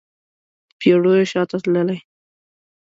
په پیړیو شاته تللی